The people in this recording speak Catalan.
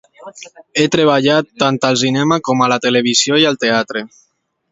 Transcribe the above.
Ha treballat tant al cinema, com a la televisió i al teatre.